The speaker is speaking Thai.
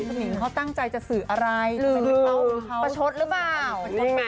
คุณนิ้งเขาตั้งใจจะสื่ออะไรหรือประชดหรือเปล่า